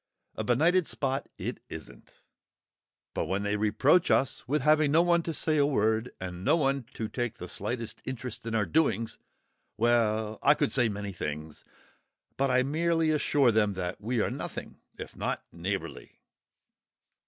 A benighted spot, isn't it! But when they reproach us with having no one to say a word, and nobody to take the slightest interest in our doings—well, I could say many things! But I merely assure them that we are nothing if not neighbourly!